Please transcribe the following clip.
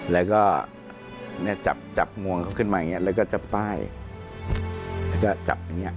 แล้วก็เนี่ยจับงวงเขาขึ้นมาอย่างนี้แล้วก็จับป้ายแล้วก็จับอย่างนี้